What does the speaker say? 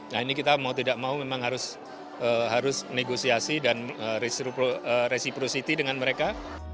nah ini kita mau tidak mau memang harus negosiasi dan recipro city dengan mereka